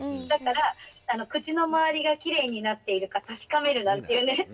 だから「口のまわりがきれいになっているかたしかめる」なんていうね